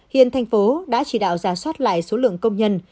hiện thành phố đã chỉ đạo giả soát lại số lượng công nhân